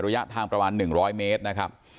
ระยะทางประมาณ๑๐๐เมตรนะครับ